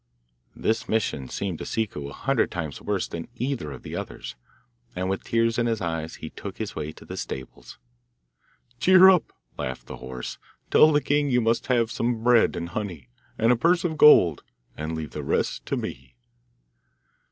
This mission seemed to Ciccu a hundred times worse than either of the others, and with tears in his eyes he took his way to the stables. 'Cheer up,' laughed the horse; 'tell the king you must have some bread and honey, and a purse of gold, and leave the rest to me.